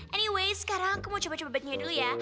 anyway sekarang aku mau coba coba bebeknya dulu ya